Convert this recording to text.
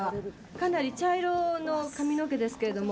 かなり茶色の髪の毛ですけども。